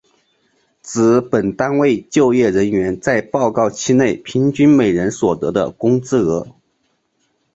指本单位就业人员在报告期内平均每人所得的工资额。